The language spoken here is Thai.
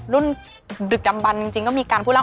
ดึกดำบันจริงก็มีการพูดแล้ว